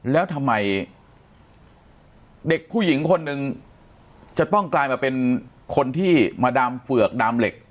แล้วทำไมเด็กผู้หญิงคนหนึ่งจะต้องกลายมาเป็นคนที่มาดามเฝือกดามเหล็ก